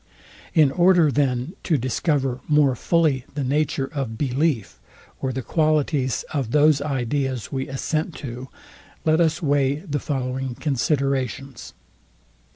In order then to discover more fully the nature of belief, or the qualities of those ideas we assent to, let us weigh the following considerations.